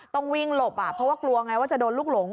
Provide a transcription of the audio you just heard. ต้องวิ่งหลบเพราะว่ากลัวไงว่าจะโดนลูกหลง